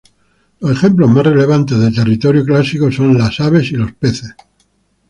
Los ejemplos más relevantes de "territorio clásico" son las aves y los peces.